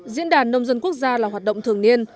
diễn đàn nông dân quốc gia là hoạt động thường niên